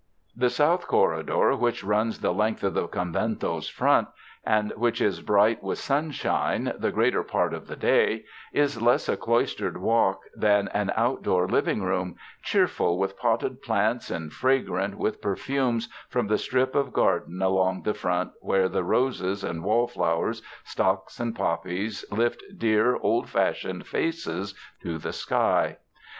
The south corridor, which runs the length of the convento's front, and which is bright with sunshine the greater part of the day, is less a cloistered walk than an outdoor living room, cheerful with potted plants and fragrant with per fumes from the strip of garden along the front where roses and wall flowers, stocks and poppies, lift dear, old fashioned faces to the sky.